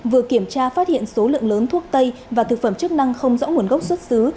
vừa kiểm tra phát hiện số lượng lớn thuốc tây và thực phẩm chức năng không rõ nguồn gốc xuất xứ